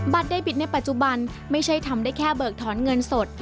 เดบิตในปัจจุบันไม่ใช่ทำได้แค่เบิกถอนเงินสด